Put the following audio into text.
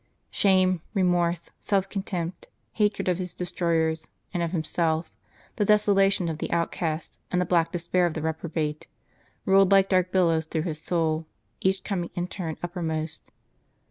Shame, remorse, self contempt, hatred of his destroyers and of himself, the desolateness of the outcast, and the black despair of the reprobate, rolled like dark billows through his soul, each com ing in turn uppermost.